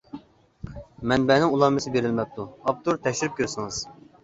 مەنبەنىڭ ئۇلانمىسى بېرىلمەپتۇ، ئاپتور تەكشۈرۈپ كۆرسىڭىز.